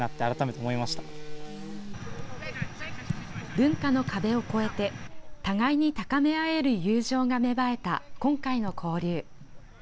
文化の壁を越えて、互いに高め合える友情が芽生えた今回の交流。